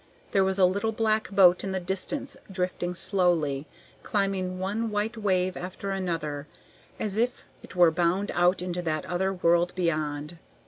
There was a little black boat in the distance drifting slowly, climbing one white wave after another, as if it were bound out into that other world beyond.